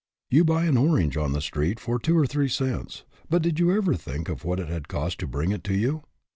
You buy an orange on the street for two or three cents, but did you ever think of what it has cost to bring it to you?